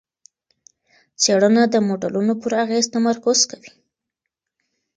څېړنه د موډلونو پر اغېز تمرکز کوي.